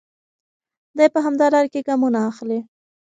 دی په همدې لاره کې ګامونه اخلي.